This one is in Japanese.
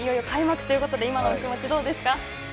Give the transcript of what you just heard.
いよいよ開幕ということで今のお気持ち、どうですか。